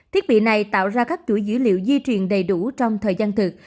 thiết bị này tạo ra các chuỗi dữ liệu di truyền đầy đủ trong thời gian thực